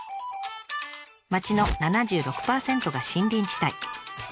町の７６％が森林地帯。